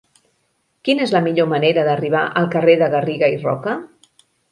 Quina és la millor manera d'arribar al carrer de Garriga i Roca?